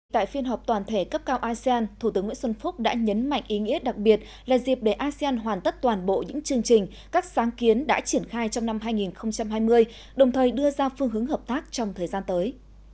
tại phiên họp toàn thể cấp cao asean thủ tướng nguyễn xuân phúc đã nhấn mạnh ý nghĩa đặc biệt là dịp để asean hoàn tất toàn bộ những chương trình các sáng kiến đã triển khai trong năm hai nghìn hai mươi đồng thời đưa ra phương hướng hợp tác trong thời gian tới